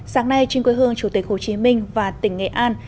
sáng nay trên quê hương chủ tịch hồ chí minh và tỉnh nghệ an